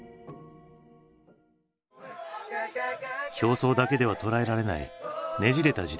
表層だけでは捉えられないねじれた時代。